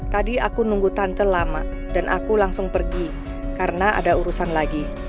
tadi aku nunggu tante lama dan aku langsung pergi karena ada urusan lagi